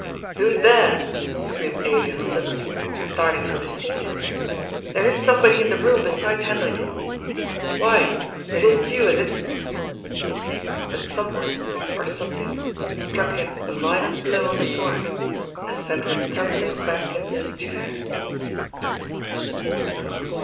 "Who is there?" screamed Elias suddenly, starting from his seat. "There is somebody in the room besides Hendrik. Why, it isn't you, is it ?" But someone — or something — struck him a violent blow on the forehead, and sent him tumbling back into his chair.